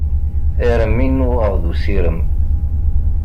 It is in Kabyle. Armi nnuɣeɣ d usirem.